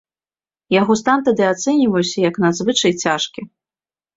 Яго стан тады ацэньваўся як надзвычай цяжкі.